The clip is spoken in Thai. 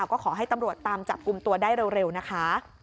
ก็ขอให้ตำรวจตามจับกลุ่มตัวได้เร็วนะคะ